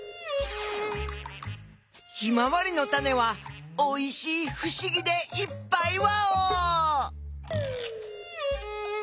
ヒマワリのタネはおいしいふしぎでいっぱいワオ！